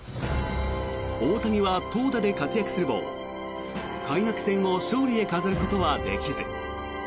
大谷は投打で活躍するも開幕戦を勝利で飾ることはできず。